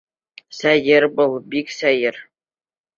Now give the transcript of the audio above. Сәйер был, бик сәйер!